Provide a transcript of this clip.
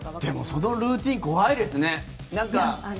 でもそのルーティン怖いですね。